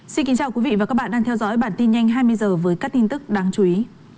xin kính chào quý vị và các bạn đang theo dõi bản tin nhanh hai mươi h với các tin tức đáng chú ý